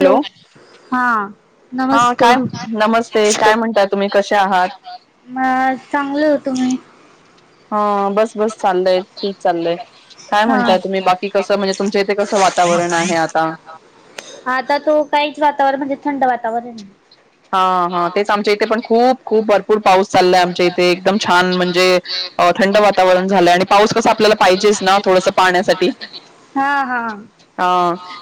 Hello! हा. हा नमस्ते. काय नमस्ते! काय म्हणताात तुम्ही कसे आहात. म चांगलं होत. हा बस बस चाललंय ठीक चाललंय. काय हा. म्हणताय तुम्ही बाकी कसं म्हणजे तुमच्या इथे कसं वातावरण आहे आता. आता तो काहीच वातावरण म्हणजे थंड वातावरण. हा हा तेच आमच्या इथे पण खूप- खूप भरपूर पाऊस चाललाय आमच्या इथे एकदम छान म्हणजे, अ थंड वातावरण झालंय आणि पाऊस कसा आपल्याला पाहिजेच ना थोडस पाहण्यासाठी. हा हा. ह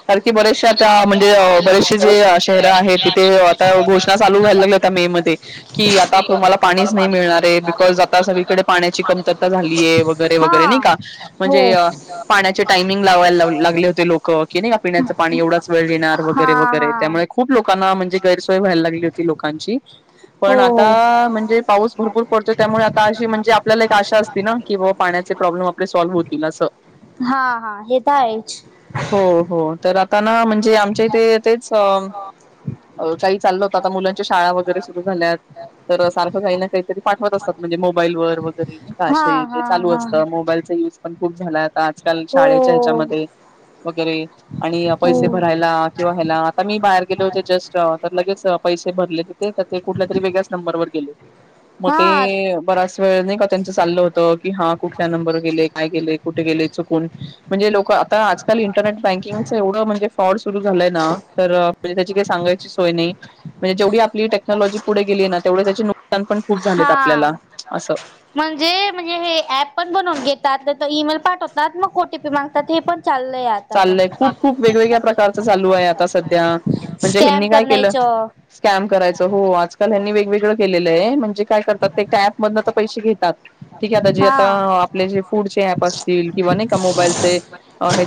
कारण की बरेचसे आता म्हणजे बरेचसे जे शहर आहेत तिथे आ घोषणा चालू व्हायला लागलता मे मध्ये. की आता तुम्हाला पाणीच नाही मिळणार आहे, बिकॉज आता सगळीकडे पाण्याची कमतरता झाली हे वगैरे हा वगैरे नाही का! हो. म्हणे पाण्या चे टाइमिंग लावले होते लोक नाही पिण्याचं पाणी एवढाच वेळ देणार हा वगैरे वगैरे हा त्यामुळे खूप लोकांना म्हणजे गैरोय व्हायला लागली होती लोकांची. पण हो हो. आता म्हणजे, पाऊस भरपूर पडतोय त्यामुळे आता अशी म्हणजे आपल्याला एक आशा असती ना की बा पाण्यात प्रॉब्लेम आपले सॉल्व होतील असं, हा हा हे तर आहेच. हो हो तर आता ना म्हणजे आमच्या इथे तेच, काही चाल होत, आता मुलांच्या शाळा वगैरे सुरू झाल्यात. तर सारखं काही ना काहीतरी पाठवत असतात म्हणजे मोबाईल वर वगैरे, काश हा ते हा चालू हा असतं मोबाईलचा युज पण खूप झाला आता आजकाल शाळेच्या हो. ह्याच्यामध्ये. वगैरे आणि हो पैसे भरायला किंवा ह्याला आता मी बाहेर गेलो होते जस्ट तर लगेच पैसे भरले तिथे, तर ते कुठल्या तरी वेगळ्याच नंबरवर गेले. मग हा ते बरा्याच वेळ नाही का त्यांचं चाललं होत की हा कुठल्या नंबर गेले काय गेले. कुठे गेलाच कोण, म्हणजे लोक आता आजकाल इंटरनेट बँकिंगच एवढं म्हणजे फ्रॉड सुरु झालंय ना तर त्याची काही सांगायची सोय नाही म्हणे जेवी आपली टक्नॉलॉजी पुढे गेले ना तेवढी नुकसान पण खूप झालेत हा आपल्याला असं, म्हणजे म्हणजे हे ऍप पण बनवून घेतात तर ईमेल पाठवतात मग ओ टी पी मागतात हे पण चाललं यात. चाललंय खूप खूप वेगवेगळ्या प्रकारचं चालू आहे आता सध्या म्हणजे स्कॅम हनी काय केलं. करण्याच स्कॅम करायचं हो आजकाल हनी वेगवेगळं केलेलं आहे म्हणजे काय करतात ते ऍपमधन तर पैसे घेतात. ठीक आहे आता जे हा आता आपले जे फूडचे ऍप असतील किंवा नाही का मोबाईलचे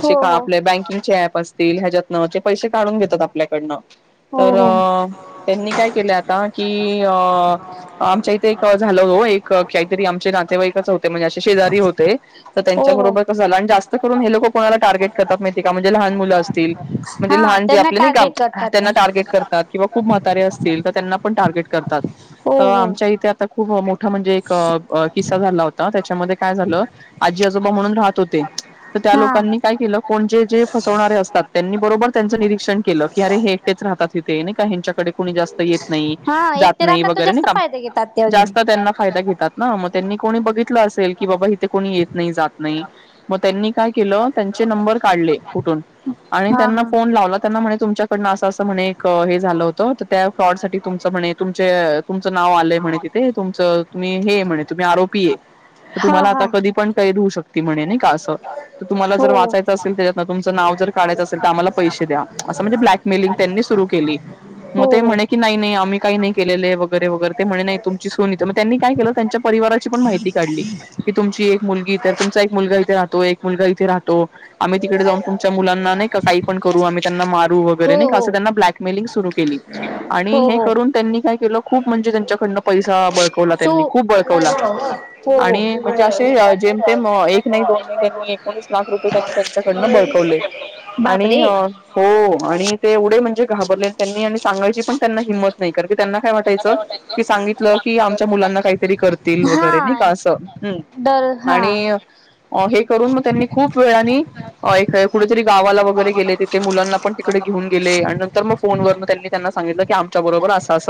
हो बकिंगप अस ह्याच्यातन पैसे काढून घेतात आपल्याकडन हो तर हो हो त्यांनी काय केलं आता की अ आमच्या इथे एक झालं ग एक काहीतरी आमचे नातेवाईकच होते म्हणजे असे शेजारी होते तर हो हो त्यांच्याबरोबर क जास्त ून हे लोक कोणाला टार्गेट करत माहि का म्हणजे लहान मुलं असतील म्हणजे हा लहान जे त्यांना आपले नाही का टार्गेट करतात त्यांना ते टार्गेट करतात किंवा खूप म्हातारे असतील तर त्यांना पण टार्गेट करतात हो तर हो आमच्या इथे आता खूप मोठं म्हणजे एक किस्सा झाला होता त्याच्यामध्ये काय झालं आजी आजोबा म्हणून राहत होते तर त्या हा लोकांनी काय केलं कोणजे जे फसवणारे असतात त्यांनी बरोबर त्यांचं निरीक्षण केलं की अरे हे एकटेच राहतात ते नाही का ह्यांच्याकडे कोुणी जास्त येत नाही हा एक जात ते नाही राहतात तो वगैरे नाही जास्त काम फायदे घेतात ते अजून जास्त त्यांना फायदा घेतात ना मग त्यांनी कोणी बघितलं असेल की बाबा इिथे कोणी येत नाही जात नाही मग त्यांनी काय केलं त्यांचे नंबर काढले कुठून आणि हा त्यांना हा फोन लावला त्यांना म्हणे तुमच्याकडन असं असं म्हणे एक हे झालं होतं तर त्या फ्रॉड साठी तुमच म्हणे तुमचे तुमचं नाव आलंय म्हणे तिथे तुमच तुम्ही हे म्हणे तुम्ही आरोपी आहे तर हा तुम्हाला आता हा कधी पण कैद होऊ शकती म्हणे नाही का असं तर तुम्हाला हो जर वाचायचं त्याच्यात तुमचं नाव जर काढयचं असेल तर आम्हा पैसे द्या असं म्हणजे ब्लॅकमेलिंग त्यांनी सुरु केली मग ते हो हो म्हणे की नाही नाही आम्ही काही नाही केलेले वगैरे वगैर ते म्हणे नाही तुमची सोून येते मग त्यांनी काय केलं त्यांच्या परवारण माहिती काढली तुमची एक मुलगी तर तुमचा एक मुलगा इथे राहतो एक मुलगा इथे राहतो आम्ही तिकडे जाऊन तुमच्या मुलांना नाही काही पण करू आम्ही त्यांना मारू हो वगैरे नाही का हो असं त्यांना ब्लॅ मिंग सु केली हो आणि हो हे हो करून त्यांनी काय के खूप म्हणजे त्यांच्याकडनं पैसा बळकवला त्यांनी हो खूप बळकवला हो आणि हो म्हणजे असे जेम तेम एक नाही दोन नाही त्यांनी एकोणीस लाख रुपये त्यां बळवले आणि बापरे हो आणि ते एवढे म्हणजे घाबरले त्यांनी आणि सांगायची पण त्यांना हिंमत नाही कारण की त्यांना काय वाटायचं की सांगितलं की आमच्या मुलांना काहीतरी करतील वगैरे नाही का हा असं् डर हा आणि हे करून मग त्यांनी खूप वेळानी कुठेतरी गावाला वगैरेले तिे मुलां पण तिकडे घेऊन आणि नंतर मग फोन वरण त्यांनी त्यांना सांगितलं की आमच्या बरोबर असं अस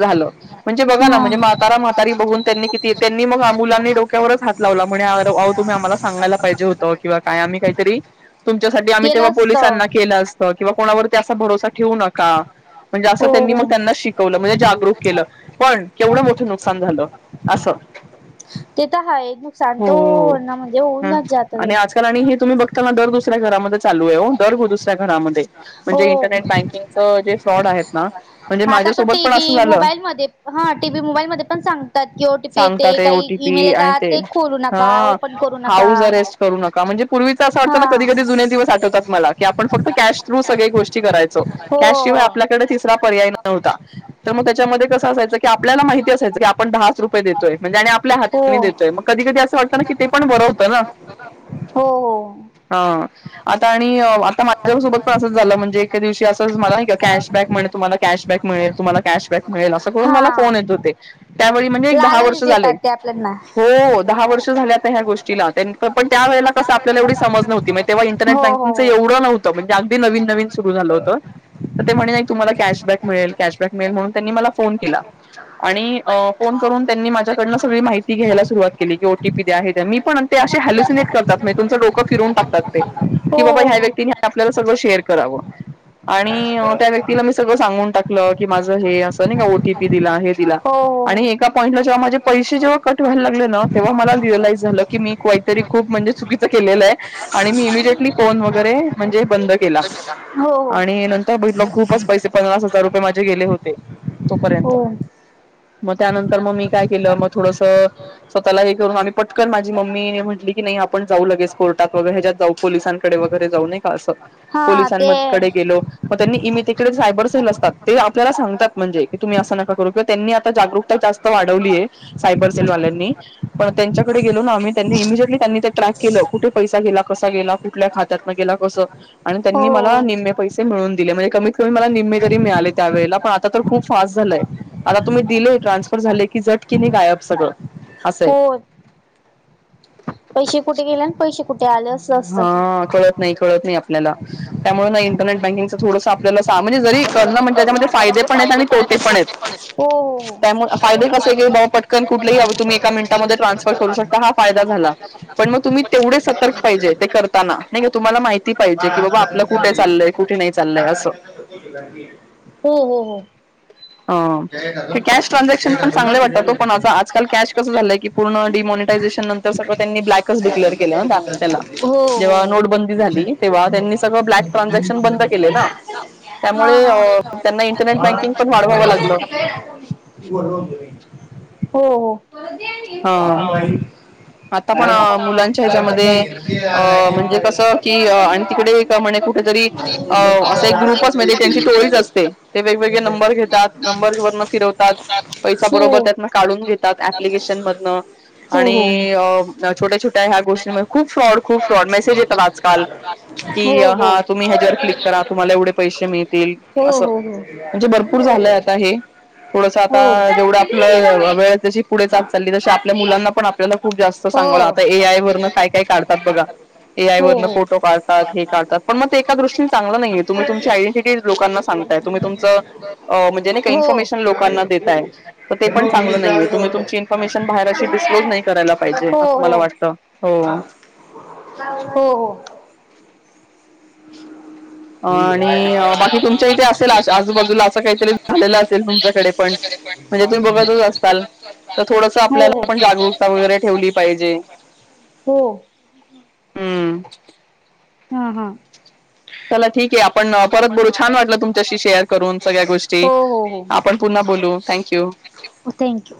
झालं म्हणजे बघा ना हा. म्हणजे म्हातारा म्हातारी बघून त्यांनी किती त्यांनी मग आ मुलां डोक्यावरच हात लावलाणओ तुमहीमला सगायला पाहिजे होत किंवा कायमही तुमच्यासाठी आम्ही केलं तेव्हा असत पोलिसांना केलं असतं किंवा कोणावरती असा भरोसा ठेवू नका म्हणजे असं हो त्यांनी हो. मग त्यांना शिकवलं म्हणजे जागरूक केलं पण केवढं मोठं नुकसान झालं असस ते तर हा नुकसान तो होऊन म्हणजे होऊन ह जाच जात ते आणि आजकाल आणि हे तुम्ही बघताना दर दुसऱ्या घरामध्ये चालू आहे दुस्या घरा हो. म्हणजे इंरनेट बँकंग जे फ्रॉड आहेत ना आता तो माझ्यासोबत पण असं टीव्ही झालं मोबाईलमध्ये हा टीव्ही मोबाईलमध्ये पण सांगतात किओ टी सांगता येते ते काही इईमेल ओटीपी आणि येतात ते खोलू नका हा ओपन करू नका हाऊस अरेस्ट करू हा पाठवतात मला की आपण फक्त कॅश थ्रू सगळी गोष्टी करायचो कॅशिवाय हो आपल्याकडे तिसरा पर्याय नव्हता तर मग त्याच्यामध्ये कसं असायचं की आपला माहि असयचं की आपण दहाच रुपये देतोय म्हणजे आणि आपल्या हो. हात हो देतोय मग कधी कध असं वाटतं ना की ते पण बरवतं ना हो हो हा आता आणि आता माझ्या सोबत प्र असेच झालं म्हणजे एकका दिवशी असं मला नाही का कॅशबॅक म्हण तुम्हाला कॅशबॅक मिळेल तुम्हाला कॅशबॅक मिळेल असं करून मला हा. फोन येत होते त्यावेळी म्हणजे एक दहा लालच वर्ष झाले देतात ते आपल्याना. हो दहा वर्ष झाले ह्या गोष्टी पण त्या वेळेला कस आपल्याला एवढी समज नव्हत. ग तेव्हा इंटरनेट हो बँकिंगचं हो एवढं नव्हत म्हणजे अगदी नवीन नवीन सुरू झालं होतं. तर ते म्हणे नाही तुम्हाला कॅशबॅक मिळेल कॅशबॅक मिळेल म्हणून त्यांनी मला फोन केला. आणि फोन करून त्यांनी माझ्याकडन सगळी माहिती. ती घ्यायलारवात केली क ओ टी द आहे द मी पण ते असे हॅलुसिनेट करताती तुमचंडोकं फिरून टकतात. की बाबा ह्या व्यक्तीने आपल्याला सगळं शेअर करावं. आणि त्या व्यक्तीला मी सगळं सांगून टाकलं की माझं हे असं नाही का ओटीपी दिला हे दिला. हो. हो आणि एक. पॉंट जेव्हा माझे पैसे जेव्हा कट व्हायला लागले ना तेव्हा मला रिअलाईज झालं की मी काहीतरी खूप म्हणजे चकी केलं आहे आणि मी इमिजिएटली फोन वगैरे म्हणजे बंद केला. हो हो. हो हो हो हो आणि नंतर भेटल खूपच पैसे पन्नास हजार रुपये माझे गेले होते तोपर्यंत. हो मग त्यानंतर मग मी काय केलं मग थोडस स्वतःला हे करून आम्ही पटकन माझ मम्मीने म्हटली की नाही आपण. जाऊ लगेच कोर्टात व ह्याच्यात जाऊ पोलिसांकडे वगैरे जाऊ न का असं हा ते पोलिसांडे गेलो. मग त्यांनी इमितीिककडे सायबर सेल असतात ते आपल्याला सांगतात म्हणजे की तुम्ही असं नका करू किंवा त्यांनीता जागरकता जास्त. आता वाढवली सायबर सेलवाल्यांनी पण त्यांच्याकडे गेलो ना आम्ही त्यांनी इमिजटलीनी्रॅ. केलं कुठे पैसा गेला कसा गेला कुठल्या खात्यातन गेला कसं. आणि हो त्यांनी मला निम्मे पैसे मिळून दिले म्हणजे कमीत कमी मला निम्मे तरी मिळाले त्यावेेळेला पण आता तर. खूप फास्ट झालंय आता तुम्ही दिलेय ट्रान्सफर झाले की जट कि नाही गायब सगळं. असंय हो. पैसे कुठे गेले आणि पैसे कुठे आले अस असतात त. हा कळत नाही कळत नाही आपल्याला त्यामुळे नाही इंटरनेट बँकिंगच थोडस आपल्याला सामने जरी करलं म्हण त्यामध्ये. फायदे पण आहेत आणि तोटे पण आहेत त्यामुळे फायदे कसे क पट. कुठलेहीवे तुम्ही एका मिनटमध्ये ट्रान्सफर करू शता हायदा झाला पण मग तुम्. तेवढे सतर्क पाहिजे ते करताना नाही का तुम्हाला माहिती. पाहिजे की बाबा आपलं कुठे चाललंय कुठे नाही चाललंय असं हो हो हो. हो ह कॅश ट्रान्झॅक्शन पण चांगले वाटतात तो पण आता आजकाल कॅश कस झालाय. पूर् डमनिटाझेशनंतर सगळ त्यांनी्ॅ. हो हो. नोटबंदी [unintelligible] झाली तेव्हा त्यांनी सगळं ब्लॅक ट्रान्झॅक्शन बंद केले ना. त्यामुळे अ त्यांना इंटरनेट बँकिंग पण वाढवावं लागलं. [unintelligible] हो हो. हा. आता पण मुलांच्या ह्याच्यामध्ये अ म्हणजे कसं. कि आणि तिकडे हो म्हणे कुठेतरी हो असा एक ग्रुपच म्हे त्यांची टोळीच असते. ते वेगवेगळे नंबर हा घेतात नंबर फिरवतात पैसा हो बरोबर त्यातन काढून घेतात. एप्लिकेशन मधनं. हो हो आणि छोट्या-छोट्या ह्या गोष्टीं खूप फ्रॉड खूप फ्रॉड मेसेज वा. ल हो कि हो हो हो हा हो तुम्ही ह्याच्यावर क्लिक करा तुम्हाला एवढे पैसे मिळतील. असं हो हो म्हणजे भरपूर झालंय आता हे. थोडस हो हो हो हो आता हो हो हो हो जेवढं हो आपलं वेळेस जशी. पुढे चालली त आपल्या मुलांना पण आपल्याला खूप जास्त सांगवलं आता ए आय वरन काय काय काढतात बघ. ए आईवरन. फोटो काढात हे काढतात पण म ते एका दृष्टीने चगलं नाहीय तुम्ही तुमची आयडेंटी लोकां सांगताय तुम्ही तुमच. अ म्हणजे नाही काही इन्फॉर्मेशन लोकांना देतय तर ते पण चांगलं नाहीय आहेत. तुम्ही तुमची इन्फॉर्मेशन बाहेर अशी डिस्क्लोज नाही करायला पाहिजे असं मला हो वाटतं हो. हा हो हो. [unintelligible] अ आणि बाकी तुमच्या इथे असेल आजूबाजूला असं काहीतरी झालेलं असेल तुमच्याकडे पण. म्हणजे तुम्ही बघतच असताल तर थोडस आपल्याला पण जागरूकता वगैरे ठेवली पाहिजे. हो. हम्म, हा, हा, चला ठीक आहे, आपण परत बोलू छान वाटलं तुमच्याशी शेअर करून सगळ्या गोष्टी. हो आपण पुन्हा बोलू थँक यू, हो थँक्यू,